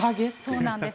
そうなんです。